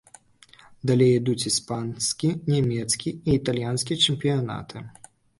Далей ідуць іспанскі, нямецкі і італьянскі чэмпіянаты.